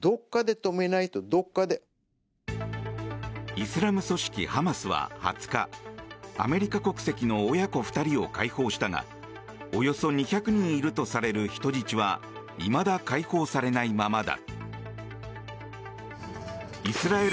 イスラム組織ハマスは２０日アメリカ国籍の親子２人を解放したがおよそ２００人いるとされる人質はいまだ解放されないままだ。